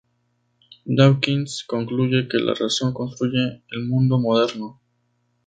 Dawkins concluye que la razón "construye el mundo moderno.